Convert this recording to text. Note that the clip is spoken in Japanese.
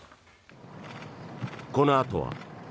このあとは。